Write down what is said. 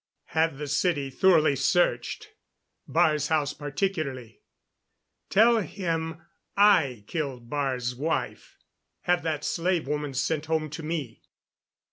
Have the city, thoroughly searched Baar's house particularly. Tell him I killed Baar's wife. Have that slave woman sent home to me.